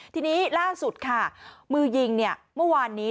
ทีนี้ล่าสุดค่ะมือยิงเมื่อวานนี้